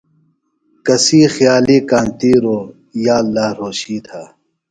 کسی خیالیۡ کانتِیروۡ یااللّٰہ رھوشی تھہ۔